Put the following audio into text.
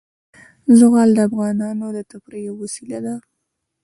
زغال د افغانانو د تفریح یوه وسیله ده.